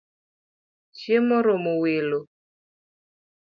Chiemo oromo welo